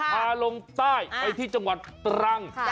ลงใต้ไปที่จังหวัดตรัง